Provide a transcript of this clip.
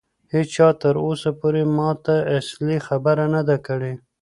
هیچا تر اوسه پورې ماته اصلي خبره نه ده کړې.